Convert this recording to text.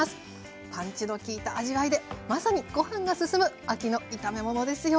パンチの利いた味わいでまさにご飯がすすむ秋の炒め物ですよ。